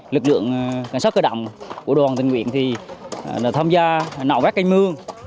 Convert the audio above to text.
lực lượng cảnh sát cơ động của đoàn tình nguyện thì tham gia nạo vét canh mương